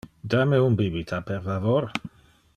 Da me un bibita, per favor.